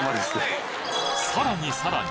さらにさらに！